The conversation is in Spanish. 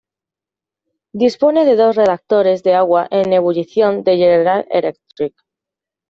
Dispone de dos reactores de agua en ebullición de General Electric.